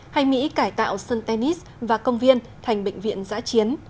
hay mỹ cải tạo sân tennis và công viên thành bệnh viện giã chiến